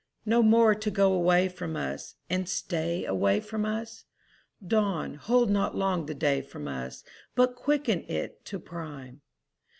No more to go away from us And stay from us?— Dawn, hold not long the day from us, But quicken it to prime!